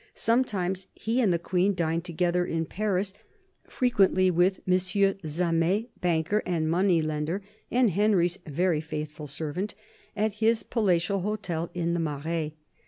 Sometimes he and the Queen dined out together in Paris, frequently with M. Zamet, banker and money lender and Henry's very faithful servant, at his palatial hotel in the Marais.